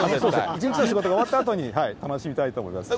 一日の仕事が終わったあとに楽しみたいと思います。